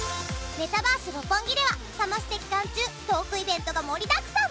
メタバース六本木ではサマステ期間中トークイベントが盛りだくさん！